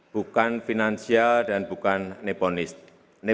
bukan finansial dan bukan nepolis